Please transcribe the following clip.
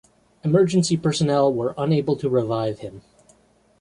Emergency personnel were unable to revive him.